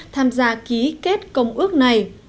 tham gia ký kết công ước này